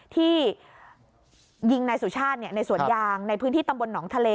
ที่ยิงนายสุชาติในสวนยางในพื้นที่ตำบลหนองทะเล